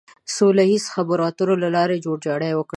د سوله ييزو خبرو اترو له لارې جوړجاړی وکړي.